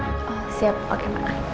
oh siap oke mak